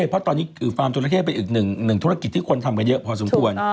เพราะตอนนี้ฟาร์มจราเข้เป็นอีกหนึ่งธุรกิจที่คนทำกันเยอะพอสมควร